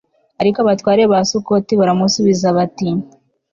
ariko abatware ba sukoti baramusubiza bati